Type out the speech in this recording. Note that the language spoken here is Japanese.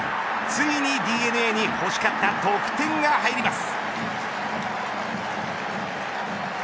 ついにＤｅＮＡに欲しかった得点が入ります。